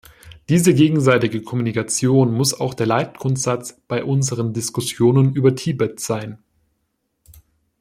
Diese gegenseitige Kommunikation muss auch der Leitgrundsatz bei unseren Diskussionen über Tibet sein.